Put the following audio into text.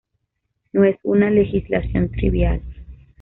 No es una legislación trivial.